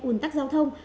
ùn tắc giao thông